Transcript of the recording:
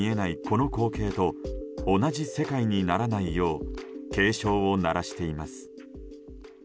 この光景と同じ世界にならないよう警鐘を鳴らしています。